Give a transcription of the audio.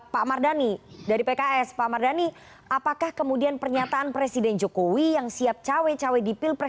pak mardhani dari pks pak mardhani apakah kemudian pernyataan presiden jokowi yang siap cawe cawe di pilpres dua ribu dua puluh